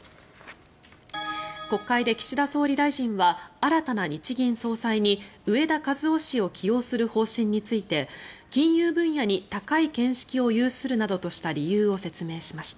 国会で岸田総理大臣は新たな日銀総裁に植田和男氏を起用する方針について金融分野に高い見識を有するなどとした理由を説明しました。